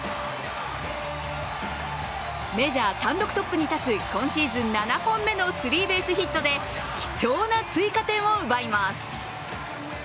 メジャー単独トップに立つ今シーズン７本目のスリーベースヒットで貴重な追加点を奪います。